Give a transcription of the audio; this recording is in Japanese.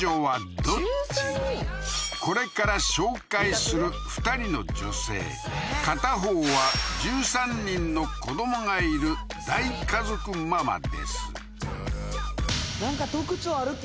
これから紹介する２人の女性片方は１３人の子どもがいる大家族ママですなんか特徴あるっけ？